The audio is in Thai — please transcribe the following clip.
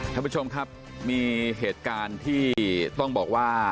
ท่านผู้ชมครับมีเหตุการณ์ที่ต้องบอกว่า